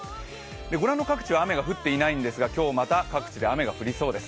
ご覧の各地は雨が降っていないんですが今日もまた雨が降りそうです。